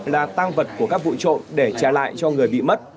là tăng vật của các vụ trộm để trả lại cho người bị mất